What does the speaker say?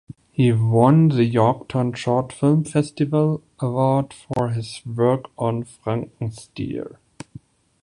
He won the Yorkton Short Film Festival award for his work on "Frankensteer".